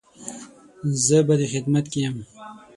زه به دې خدمت کې يم